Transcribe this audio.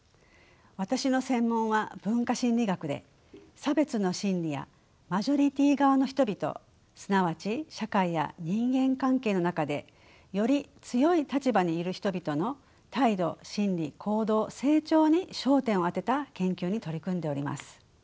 私の専門は文化心理学で差別の心理やマジョリティー側の人々すなわち社会や人間関係の中でより強い立場にいる人々の態度心理行動成長に焦点を当てた研究に取り組んでおります。